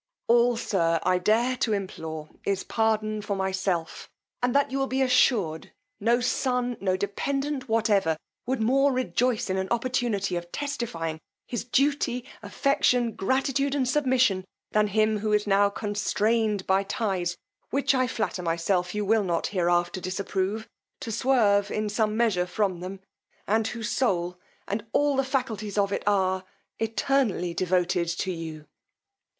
All, sir, I dare to implore is pardon for myself, and that you will be assured no son, no dependant whatever, would more rejoice in an opportunity of testifying his duty, affection, gratitude and submission, than him who is now constrained by ties, which I flatter myself you will not hereafter disapprove, to swerve in some measure from them, and whose soul and all the faculties of it are Entirely devoted to you.